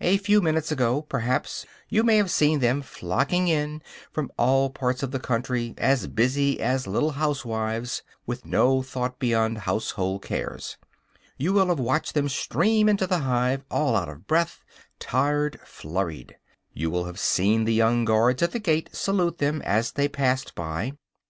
A few minutes ago, perhaps, you may have seen them flocking in from all parts of the country, as busy as little housewives, with no thought beyond household cares. You will have watched them stream into the hive, all out of breath, tired, flurried; you will have seen the young guards at the gate salute them as they passed by.